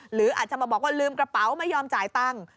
หรืออาจจะมาบอกว่าลืมกระเป๋าไม่ยอมจ่ายตังค์